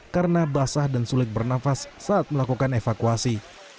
karena basah dan sulit bernafas saat melakukan evakuasi